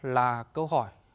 là câu hỏi